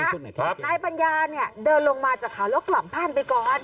นายปัญญาเดินลงมาจากเขาแล้วกลับบ้านไปก่อน